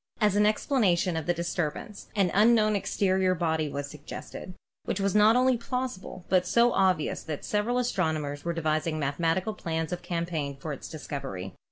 As an explanation of the dis turbance, an unknown exterior body was suggested, which was not only plausible but so obvious that several astrono mers were devising mathematical plans of campaign for its discovery.